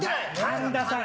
神田さん！